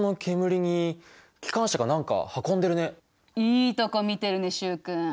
いいとこ見てるね習君。